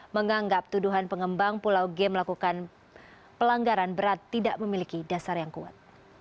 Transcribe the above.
menganggap tuduhan pengembang pulau g melakukan pelanggaran berat tidak memiliki dasar yang kuat